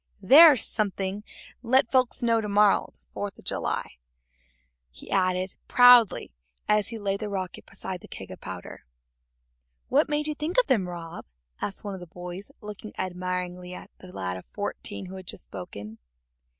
"There's something'll let folks know to morrow's the Fourth of July," he added proudly, as he laid the rocket beside the keg of powder. "What made you think of them, Rob?" asked one of the boys, looking admiringly at the lad of fourteen who had just spoken.